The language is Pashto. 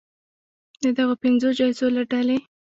د دغو پنځو جایزو له ډلې